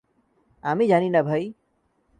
আমি জানি না, ভাই।